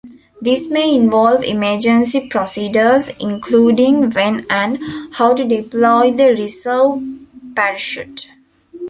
This may involve emergency procedures including when and how to deploy the reserve parachute.